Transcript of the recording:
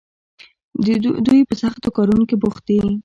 دوی په سختو کارونو کې بوخت دي.